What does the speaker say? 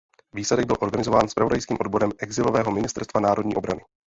Výsadek byl organizován zpravodajským odborem exilového Ministerstva národní obrany.